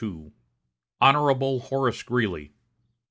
"HON. HORACE GREELEY.